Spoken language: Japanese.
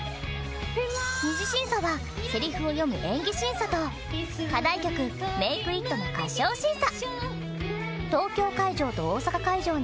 ２次審査はセリフを読む演技審査と課題曲『Ｍａｋｅｉｔ！』の歌唱審査。